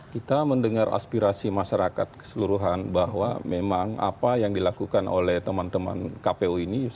kita mendengar aspirasi masyarakat keseluruhan bahwa memang apa yang dilakukan oleh teman teman kpu ini sangat didukung oleh masyarakat kebanyakan